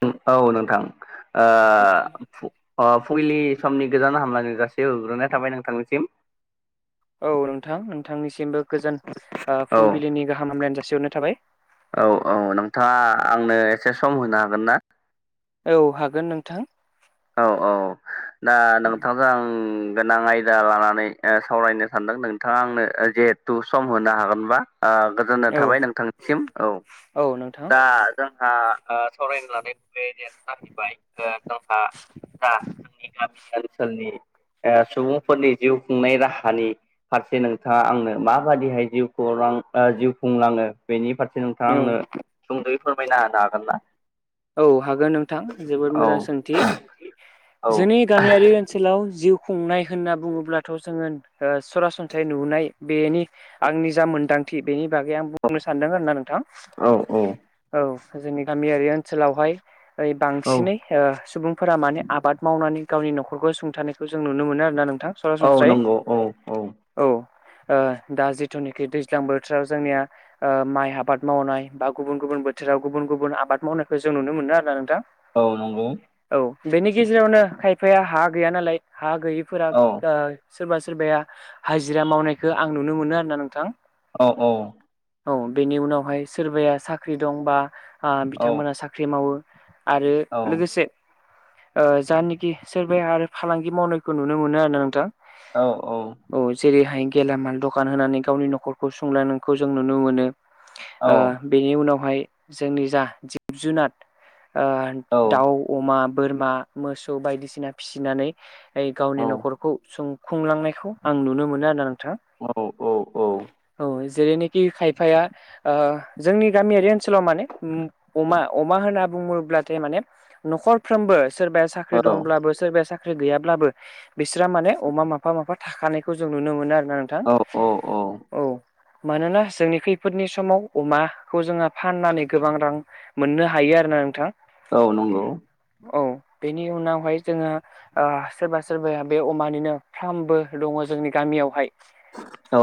[unintelligible] औ नोंथां ओ फु अ फुंलि समनि गोजान हामलायनाय जासि [unintelligible] हरग्रोनाय थाबाय नोंथांनिसिम औ नोंथां नोंथांनिसिमबो गोजोन ओ औ फुंबिलिनि गाहाम हामलायनाय जासिहरनाय थाबाय। औ औ नोंथाङा आंनो एसे सम होनो हागोन ना? औ हागोन नोंथां। औ औ दा नोंथांखौ आं गोनां आयदा लानानै ओ सावरायनो सानदों नोंथाङा आंनो ओ जिहेथु सम होनो हागोनबा ओ गोजोननाय औ थाबाय नोंथांनिसिम औ औ नोंथां दा जोंहा ओ सावरायनो लानाय [unintelligible] जाहैबाय ओ जोंहा दा जोंनि गामि [unintelligible] [unintelligible] ओ सुबुंफोरनि जिउ खुंनाय राहानि फारसे नोंथाङा आंनो माबादिहाय जिउखौ ओ जिउ खुंलाङो बेनि फारसे नोंथाङा औ आंनो सुंद'यै फोरमायना होनो हागोन ना? औ हागोन नोंथां जोबोद औ मोजां सोंथि। औ जोंनि गामियारि ओनसोलाव जिउ खुंनाय होनना बुङोब्लाथ' जोङो ओ सरासनस्रायै नुनाय बेनि आंनि जा मोनदां थि बेनि बै आं बुंनो सानदों आरो ना नोंथां। औ औ जोंनि गामियारि ओन सोलावहाय ओइ औ बांसिनै ओ सुबुं फोरा माने आबाद मावनानै गावनि न'खरखौ सुंथानायखौ जों नुनो मोनो आरो ना नों थां औ सरासनस्राय नंगौ औ औ औ ओ दा जिथुनाखि दैज्लां बोथोराव जोंनिया ओ माइ आबाद मावनाय बा गुबुन गुबुन [unintelligible] बोथोराव गुबुन गुबुन आबाद मावनायखौ जों नुनो मोनो आरो नोंथां। औ नंगौ। औ बेनि गेजेरावनो खायफाया हा गैया नालाय हा गैयिफोरा औ ओ सोरबा सोरबाया हाजिरा मावनायखो आं नुनो मोनो आरो ना नोंथां। औ औ। औ बेनि उनावहाय सोरबाया साख्रि दं बा आ औ बिथांमोना साख्रि मावो आरो औ औ लोगोसे ओ जानोखि सोरबाया आरो फालांगि मावनायखौ नुनो मोनो आरो ना नोंथां। औ औ। जेरैहाय गेलामाल दखान होनानै गावनि न'खरखौ सुंलांनायखौ जों नुनो मोनो। ओ बेनि उनावहाय जोंनि जा जिब जुनाद ओ दाउ, अमा, बोरमा, मोसौ बायदिसिना फिसिनानै गावनि न'खरखौ सुं खुंलांनायखौ आं नुनो मोनो आरो नो औ औ औ। जेरैनोखि खायफाया ओ जोंनि गामियारि ओनसोलाव माने उम अमा अमा होनना बुङोब्लाथाय माने न'खरफ्रोमबो सोरबाया साख्रि औ औ दंब्लाबो सोरबाया सा साख्रि गैयाब्लाबो बिसोरा माने अमा माफा माफा थाखानायखौ जों नुनो मोनो आ ना नोंथां औ औ औ औ। मानोना जोंनि खैफोदनि समाव अमाखौ जोङो फाननानै गोबां रां मोननो हायो आरो ना नोंथां। औ नंगौ। औ बेनि उनावहाय जोङो ओ सोरबा सोरबाया बे अमानिनो फ्रामबो दङ' जोंनि गा मियावहाय औ।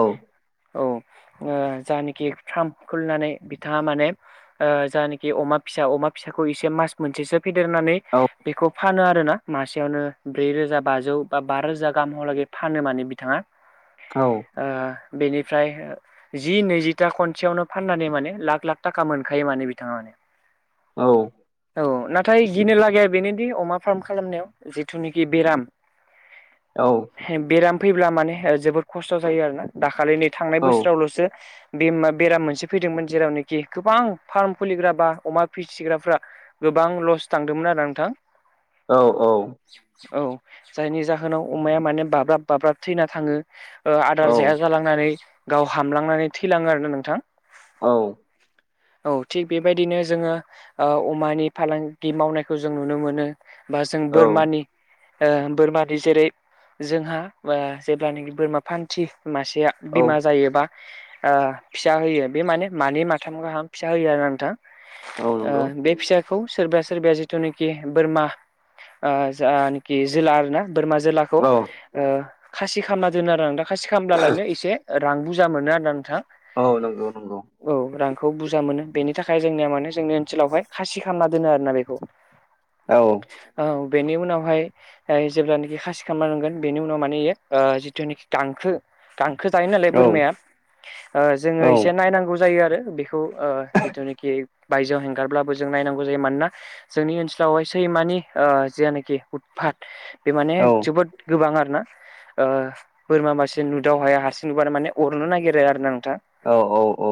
औ ओ जानिखि फ्राम खुलिनानै बिथाङा माने ओ जानि खि अमा फिसा अमा फिसाखौ एसे मास मोनसेसो फेदेरनानै औ बेखौ फानो आ आरोना मासेयावनो ब्रै रोजा बाजौ बा बा रोजा गाहामहालागै फानो माने बिथाङा। औ ओ बेनिफ्राय जि नैजिथा खनसेयावनो फाननानै माने लाख लाख थाखा मोनखायो माने बिथाङा । औ औ नाथाय गिनो लागाया बेनोदि अमा फार्म खालामनायाव जिथुनाखि बेराम औ बेराम फैब्ला माने जोबोर खस्थ' जायो आरोना दाखालि नै थांनाय औ बोसोरावल'सो बे बेराम मोनसे फै जेरावनोखि गोबां फार्म खुलिग्रा बा अमा फिसिग्राफ्रा गोबां लस थांदोंमोन आरोना नोंथां। औ औ औ जायनि जाहोनाव अमाया माने बाब्राब-बाब्राब थैना थाङो आदार जाया जालांनानै गाव हामलांनानै थैलाङो आरो ना नोंथां। औ औ थिग बेबायदिनो जोङो अमानि फालांगि मावनायखौ जों नुनो मोनो। बा जों औ बोरमानि ओ बोरमानि जेरै-जोंहा जेब्लानोखि बोरमा फान्थि मासेया बिमा जायोबा ओ फिसा होयो, बे माने-मानै माथाम गाहाम फिसा होयो आरो ना नोंथां। औ नंगौ बे फिसा खौ सोरबाया-सोरबाया जिथुनोखि बोरमा ओ जानखि जोला आरो ना बोरमा जोलाखौ औ ओ खासि खामना दोनो आरो नोंथां खासि खालामब्ला लायनो एसे रां बुरजा मोनो आरो ना नोंथां, औ नंगौ नंगौ औ रांखौ बुरजा मोनो बेनि थाखाय जोंनिया माने जोंनि ओनसोलावहाय खासि खालामना दोनो आरो ना बेखौ। औ औ बेनि उनावहाय जाय जेब्लानोखि खासि खालामना दोनगोन बेनि उनाव माने यो जिथुनोखि हांखो खो जायो नालाय औ औ बोरमाया, ओ जोङो औ एसे नायनांगौ जायो आरो बेखौ ओ जिथुनोखि बि बायजोआव हेंगारब्लाबो जों नायनांगौ जायो मानोना, जोंनि ओनसोलावहाय सैमानि ओ जिआनोखि उदफात बे माने जोबोद गोबां आरो ना ओ बोरमा मासे नुदाव हाया हारसिं नुबा माने अरनो नागिरो आरो ना नोंथां औ औ औ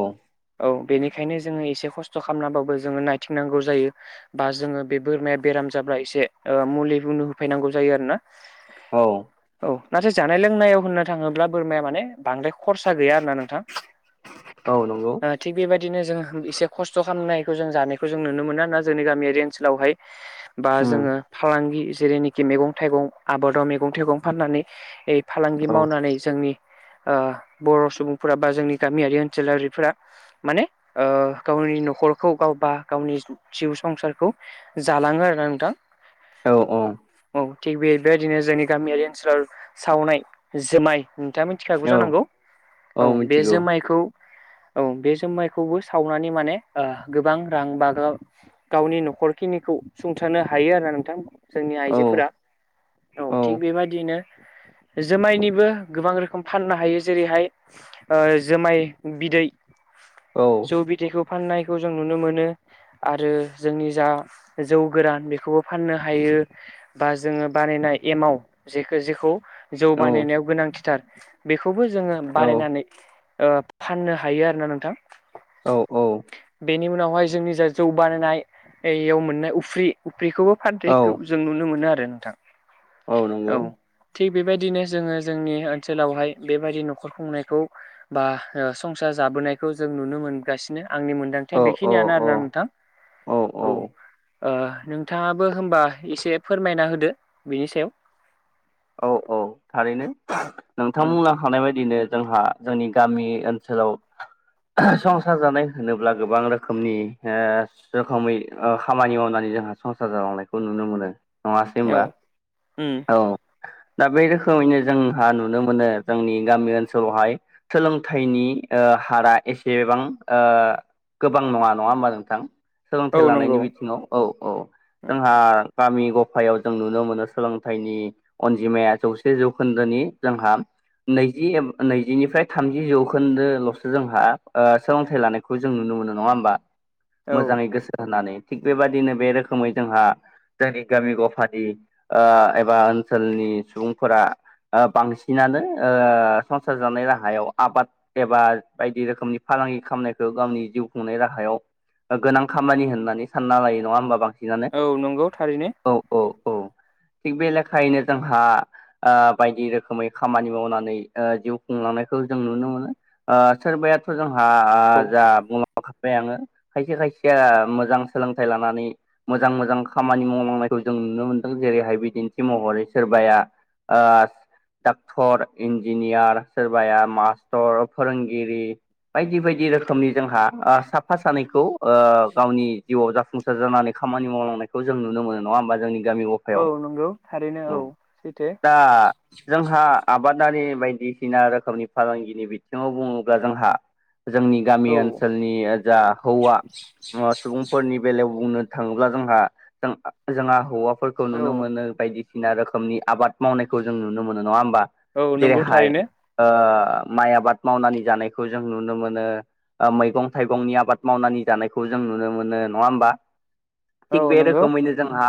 औ बेनिखायनो जोङो एसे खस्थ' खामनाबाबो जोओ नायथिंनांगौ जायो बा जोङो बे बोरमाया बेराम जाब्ला एसे मुलि बुंनो होफैनांगौ जायो आरो ना औ [inaudible] औ नाथाय जानाय- लोंनायाव होननो थाङोब्ला बोरमाया माने बांद्राय खरसा गैया आरो ना नोंथां, औ नंगौ थिग बेबायदिनो जों एसे खस्थ' खामनायखौ जों जानायखौ जों नुनो मोना ना जोंनि गामियारि ओनसोलावहाय बा उम जोङो फालांगि जेरैनोखि मैगं-थाइगं, आबादाव मैगं- थाइगं फाननानै फालांगि औ मावनानै जोंनि ओ बर' सुबुंफोरा बा जोंनि गामियारि ओनसोलारिफोरा माने ओ गावनि न'खरखौ, गावबा-गावनि जिउ संसारखौ जालाङो आरो ना नोंथां। औ औ औ थिग, बेबायदिनो जोंनि गामियारि ओनसोलाव सावनाय जोमाय, नोंथाङा मिथिखागौ औ जानांगौ, औ बे जोमायखौ औ बे जोमाइखौबो सावनानै माने गोबां रां बा गावनि न'खरखिनिखौ सुंथानो हायो आरो ना नोंथां जोंनि औ आइजोफोरा, औ थिग बेबायदिनो [inaudible] जोमायनिबो गोबां रोखोम फाननो हायो जेरैहाय ओ जोमाय बिदै, औ जौ बिदैखौ फाननायखौ जों नुनो मोनो आरो जोंनि जा जौ गोरान बेखौबो फाननो हायो। [unintelligible] बा जोङो बानायनाय एमाव जेखो जेखौ जौ औ बानायनायाव गोनांथिथार बेखौबो जोङो बानायनानै ओ [unintelligible] फाननो हायो आरो ना नोंथां। औ- औ। बेनि उनावहाय जोंनि जा जौ बानायनाययाव मोननाय उफ्रि बेखौबो औ फानथायखौ जों नुनो मोनो आरो नोंथां। औ नंगौ। [unintelligible] बेबायदिनो जोङो जोंनि ओनसोलावहाय बेबायदि न'खर खुंनायखौ बा ओ संसार ज [unintelligible] जाबोनायखौ जों नुनो मोनगासिनो। आंनि औ मोनदांथिया औ बेखिनियानो आरोना नोंथां औ। ओ नोंथाङाबो होमबा एसे फोरमायना होदो बेनि सायाव? औ औ थारैनो [unintelligible] उम नोंथांमोना हानाय बायदिनो जोंहा जोंनि गामि ओनसोलाव [unintelligible] संसार जानाय होनोब्ला गोबां रोखोमनि ओ रोखोमै ओ खामानि मावनाय [unintelligible] जोंहा संसार जालांनायखौ नुनो मोनो नङासै औ होमबा उम औ। दा बे रोखोमैनो जोंहा नुनो मोनो जोंनि गामि ओनसोलावहाय सोलोंथाइनि ओ हारा एसेबां ओ गोबां नङा नङा होमबा नोंथां? सोलोंथाइ औ लानायनि नंगौ बिथिङाव औ औ जोंहा गामि गफायाव जों नुनो मोनो सोलोंथाइनि अनजिमाया जौसे जौखोन्दोनि जोंहा नैजि एम नैजिनिफ्राय थामजि जौखोन्दोल'सो जोंहा ओ सोलोंथाइ लानायखौ जों नु [unintelligible] नुनो मोनो नङा होमबा औ मोजाङै गोसो होनानै थिग बेबादिनो बे रोखोमै जोंहा जोंनि गामि गफानि ओ एबा [unintelligible] ओनसोलनि सुबुंफोरा- ओ बांसिनानो ओ संसार जानाय राहायाव आबाद एबा बायदि रोखोमनि फाग फालांगि खानायखौ गावनि जिउ खुंनाय राहायाव गोनां खामानि होननानै सानना लायो नङा होमबा बां [unintelligible] सिनानो औ नंगौ थारैनो औ औ औ थिग बे लेखायैनो जोंहा ओ बायदि रोखोमै खामानि मावनानै ओ जिउ खुंलांनायखौ जों नुनो मोनो ओ सोरबायाथ' जों हा आ औ जा बु [unintelligible] [unintelligible] आङो खायसे खायसेया मोजां सोलोंथाइ लानानै मोजां मोजां खामानि मावलांनायखौ जों नुनो मोनदों जेरैहाय बिदिन्थि महरै सोरबाया ओस डाक्थर इन्जिनियार सोरबाया मास्टर फोरोंगिरि। बायदि बायदि रोखोमनि जोंहा [unintelligible] साफा सानैख खौ ओ गावनि जिउआव जाफुंसार जानानै खामानि मावलांनायखौ जों नुनो मोनो नङा होमबा जोंनि गामि गफायाव औ नंगौ थारैनो औ सैथो। दा जोंहा आबादारि बायदिसिना रोखोमनि फालांगिनि बिथिङाव बुङोब्ला जोंहा जोंनि गामि औ ओनसोलनि ओ जा हौवा [unintelligible] सुबुंफोरनि बेलायाव बुंनो थाङोब्ला जोंहा जों आ जोंङा हौवाफोरखौ औ नुनो मोनो। बायदिसिना रोखोमनि आबाद मावनायखौ जों नुनो मोनो नङा होमबा औ नंगौ जेरैहाय थारैनो ओ ओ माइ आबाद मावनानै जानायखौ जों नुनो मोनो। ओ मैगं थाइगंनि आबाद मावनानै जानायखौ जों नुनो मोनो नङा होमबा? औ थिग बे नंगौ रोखोमैनो जोंहा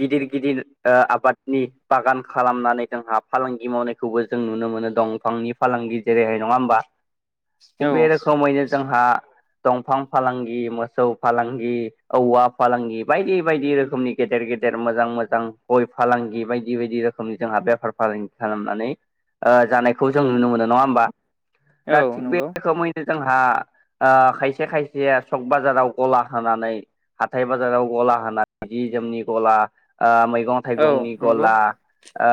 गिदिर गिदिर ओ आबादनि बागान खालामनानै जोंहा फालांगि मावनायखौबो जों नुनो मोनो दंफांनि फालां गि जेरैहाय नङा होमबा थिग औ बे रोखोमैनो जोंहा दंफां फालांगि मोसौ फालांगि औवा फालांगि बायदि बायदि रोखोमनि गेदेर [unintelligible] गेदेर मोजां मोजां गय फालांगि बायदि बायदि रोखोमनि जोंहा बेफार फालांगि खालामनानै ओ जानायखौ जों औ नुनो मोनो नङा होमबा दा औ थिग बे नंगौ रोखोमैनो जोंहा ओ खायसे खायसेया सक बाजाराव गला होनानै हाथाय बाजाराव गला होनानै जि जि जोमनि गला ओ मैगं औ थाइगंनि नंगौ गला ओ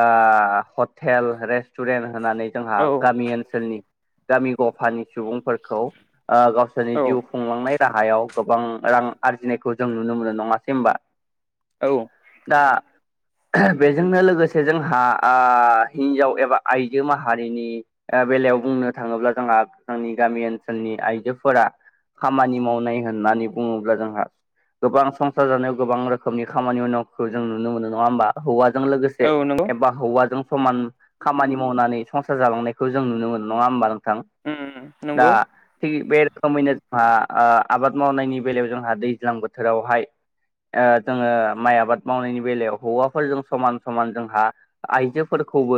हथ थेल रेस्टुरेन्ट होनानै जोंहा औ गामि ओनसोलनि गामि गफानि सुबुंफोरखौ ओ गावसोरनि औ जिउ खुंलांनाय राहायाव गोबां रां आरजिनायखौ जों नुनो मोनो नङासै होमबा औ दा बेजोंनो लोगोसे जोंहा ओ हिन्जाव एबा आइजो माहारिनि ओ बेलायाव बुंनो थाङोब्ला जोंहा जोंनि गामि ओनसोलनि आइजोफोरा खामानि मावनाय होननानै बुङोब्ला जोंहा गोबां संसार जानायाव गोबां रोखोमनि खामानि मावनाय फोरखो जों नुनो मोनो। नङा होमबा हौवाजों लोगोसे औ नंगौ एबा हौवाजों समान खामानि मावनानै संसार जालांनायखौ जों नुनो मोनो नङा होमबा नोंथ थां उम उम दा नंगौ थिग बे रोखोमैनो आ ओ आबाद मावनायनि बेलायाव जोंहा दैज्लां बोथोरावहाय ओ जोङो माइ आबाद मावनायनि बेलायाव हौवाफोरजों समान समान जोंहा आइजोफोरखौबो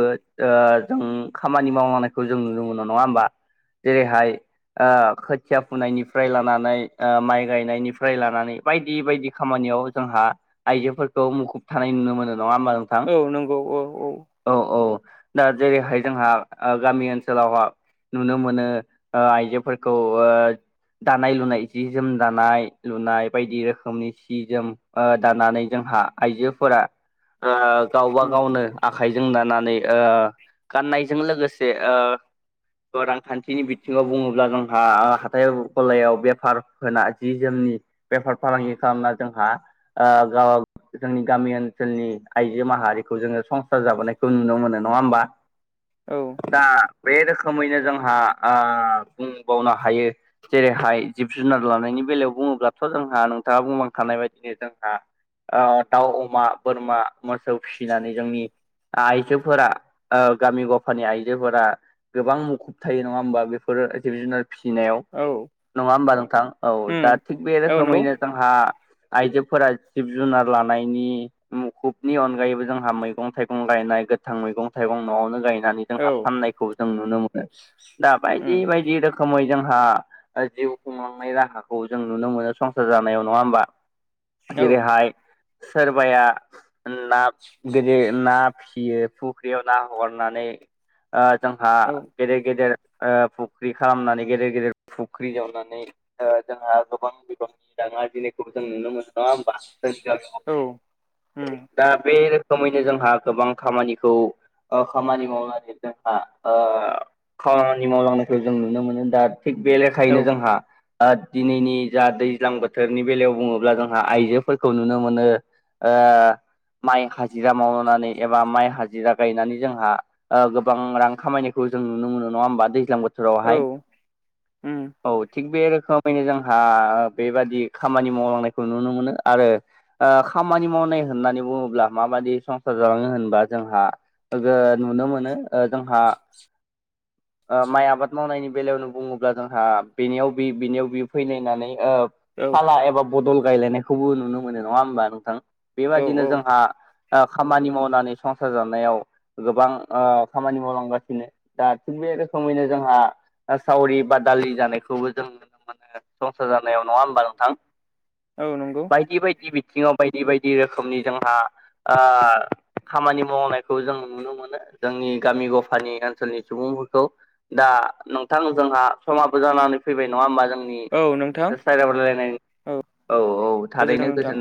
ओ जों खामानि मावना नायखौ जों नुनो मोनो नङा होमबा जेरैहाय ओ खोथिया फुनायनिफ्राय लानानै ओ माइ गायनायनिफ्राय लानानै बायदि बायदि खामानि नियाव जोंहा आइजोफोरखौ मुखुब थानाय नुनो मोनो। नङा होमबा नोंथां? औ नंगौ औ औ औ दा जेरैहाय जोंहा ओ गामि ओनसोलावहा नुनो मोनो ओ आइजोफोरखौ ओ दानाय लुनाय जि जोम दानाय लुनाय बायदि रोखोमनि सि जोम ओ दानानै जों हा आइजोफोरा ओ गावबा उम गावनो आखाइजों दानानै ओ गाननायजों लोगोसे ओ अ रांखान्थिनि बिथिङाव बुङोब्ला जोंहा ओ हाथाय गलायाव बेफार होना जि जोम नि बेफार फालांगि खालामना जोंहा ओ गावाग जोंनि गामि ओनसोलनि आइजो माहारिखौ जोङो संसार जाबोनायखौ नुनो मोनो नङा होमबा? औ दा बे रोखोमैनो जोंहा ओ बुंबावनो हायो जेरैहाय जिब जुनार लानायनि नि बेलायाव बुङोब्लाथ' जोंहा नोंथाङा बुंलां खानाय बायदिनो जोंहा ओद दाउ अमा बोरमा मोसौ फिसिनानै जोंनि आइजोफोरा ओ गामि गफानि आइजोफोरा गोबां मुखुब थायो नङा होमबा बेफोरो जिब जुनार फिसिनायाव औ नङा होमबा नोंथां औ दा उम थिग बे औ नंगौ रोखोमैनो जोंहा आइजोफोरा जिब जुनार लानायनि मुखुबनि अनगायैबो जोंहा मैगं थाइगं गायनाय गोथां मैगं थाइगं न'आवनो गाय दानि औ जोंहा फाननायखौ जों नुनो मोनो दा बायदि उम बायदि रोखोमै जों जोंहा ओ जिउ खुंलांनाय राहाखौ जों नुनो मोनो संसार जानायाव नङा होमबा? औ जेरैहाय सोरबाया ओ नाब गोदो ना फिसियो फुख्रियाव ना हगारनानै ओ जोंहा औ गेदेर गेदेर ओ फुख्रि खालामनानै गेदेर गेदेर फुख्रि जावनानै ओ जोंहा गोबां बिबांनि दा ना बिलायखौबो जों नुनो मोनो नङा होमबा जोंनि गामियाव उम [unintelligible] दा बे रोख खोमैनो जोंहा गोबां खामानिखौ ओ खामानि मावनानै जोंहा ओ खामानि मावलांनायखौ जों नुनो मोनो दा थिग बे औ लेखायैनो जोंहा ओ दिनैनि जा दैज्लां बोथोरनि बेलायाव बुङोब्ला जोंहा आइजोफोरख खौ नुनो मोनो ओ माइ हाजिरा मावनानै एबा माइ हाजिरा गायनानै जोंहा ओ गोबां रां खामायनायखौ ओ जों नुनो मोनो नङा होनबा दैज्लां बोथोरावहाय उम औ थिग बे रोख खोमैनो जोंहा ओ बेबादि खामानि मावलांनायखौ नुनो मोनो। आरो ओ खामानि मावनाय होननानै बुङोब्ला माबाददि संसार जालाङो होनबा जोंहा ओजो नुनो मोनो जोंहा ओ माइ आबाद मावनायनि बेलायावनो बुङोब्ला जोंहा बेनियाव बेनियाव बि फैलायनानै ओ औ फाला एबा बदल गायलायनायखौबो नुनो मोनो नङा होमबा नोंथां । औ बेबादिनो औ जोंहा ओ खामानि मावनानै संसार जानायाव गोबां ओ खामानि मावलांगासिनो दा थिग बे बे रोखोमैनो जोंहा सावरि बा दालि जानायखौबो जों नुनो मोनो संसार जानायाव नङा होमबा नोंथां? औ नंगौ बायदि बायदि बिथिङाव बायदि बायदि रोखोमनि जोंहा ओ खामानि मावनायखौ जों नुनो मोनो जोंनि गामि गफानि ओनसोलनि सुबुंफोरखौ दा नोंथां जोंहा समाबो जानानै फैबाय नङा होमबा? जों औ नि [unintelligible] गोजोथों नोंथां।